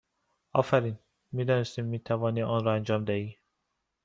آفرین! می دانستیم می توانی آن را انجام دهی!